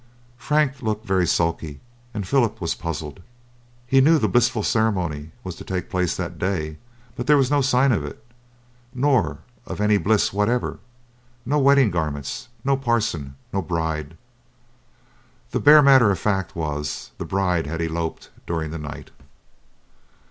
Frank looked very sulky, and Philip was puzzled. He knew the blissful ceremony was to take place that day, but there was no sign of it, nor of any bliss whatever; no wedding garments, no parson, no bride. The bare matter of fact was, the bride had eloped during the night.